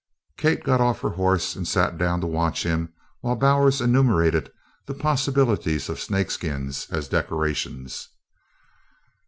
Kate got off her horse and sat down to watch him while Bowers enumerated the possibilities of snake skins as decorations.